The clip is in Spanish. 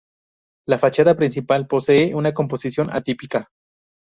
La fachada principal posee una composición atípica.